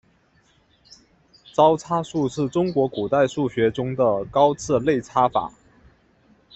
招差术是中国古代数学中的高次内插法。